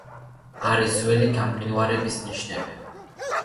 არის ძველი გამყინვარების ნიშნები.